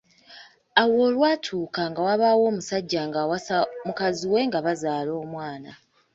Awo olwatuuka nga wabaawo omusajja ng’awasa mukazi we nga bazaala omwana.